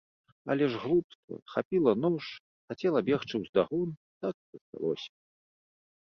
Але ж глупства, хапіла нож, хацела бегчы ўздагон, так і засталося.